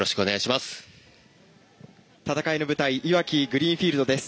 戦いの舞台いわきグリーンフィールドです。